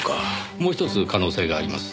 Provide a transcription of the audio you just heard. もうひとつ可能性があります。